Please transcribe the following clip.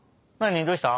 「どうした？」